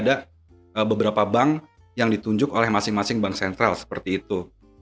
ada beberapa bank yang ditunjuk oleh masing masing bank sentral seperti itu